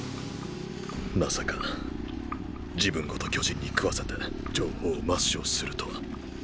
まさか自分ごと巨人に食わせて情報を抹消するとは。